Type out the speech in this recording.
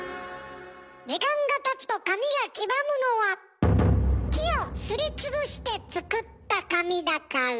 時間がたつと紙が黄ばむのは木をすりつぶして作った紙だから。